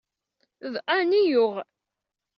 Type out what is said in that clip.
D Ann ay yuɣ.